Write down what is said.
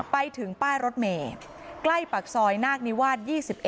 ไปถึงป้ายรถเมย์ใกล้ปากซอยนาคนิวาส๒๑